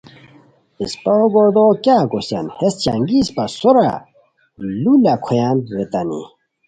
اسپہ ہو گوردوغو کیاغ کوسیان! ہیس چنگی اسپہ سورا لوُ لاکھویان ریتانی